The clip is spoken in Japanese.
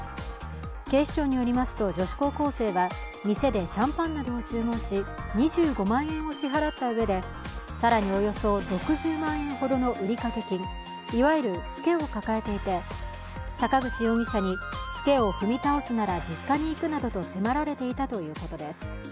警視庁によりますと女子高校生は店でシャンパンなどを注文し２５万円を支払ったうえで更に、およそ６０万円ほどの売掛金、いわゆるツケを抱えていて、坂口容疑者にツケを踏み倒すなら実家に行くなどと迫られていたということです。